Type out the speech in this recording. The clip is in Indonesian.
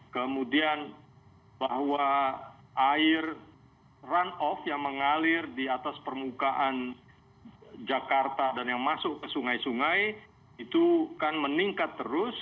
kemudian bahwa air run off yang mengalir di atas permukaan jakarta dan yang masuk ke sungai sungai itu kan meningkat terus